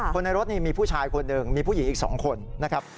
คนในรถนี่มีผู้ชายคนหนึ่งมีผู้หญิงอีก๒คนนะครับ